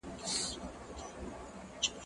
زه اوږده وخت سبزیحات جمع کوم!؟